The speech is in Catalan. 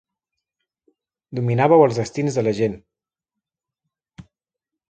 Dominàveu els destins de la gent.